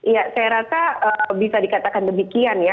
ya saya rasa bisa dikatakan demikian ya